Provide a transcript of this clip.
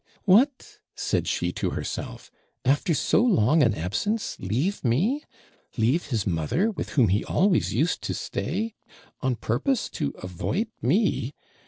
'What!' said she to herself, 'after so long an absence, leave me! Leave his mother, with whom he always used to stay on purpose to avoid me!